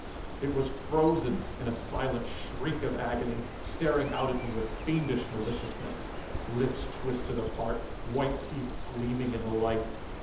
It was frozen in a silent shriek of agony, staring out at me with fiendish maliciousness. Lips twisted apart. White teeth gleaming in the light.